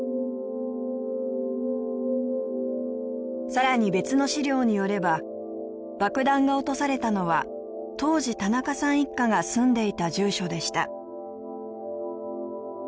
さらに別の資料によれば爆弾が落とされたのは当時田中さん一家が住んでいた住所でした。